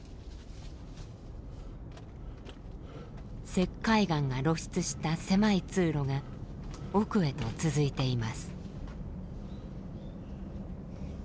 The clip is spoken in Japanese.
石灰岩が露出した狭い通路が奥へと続いています。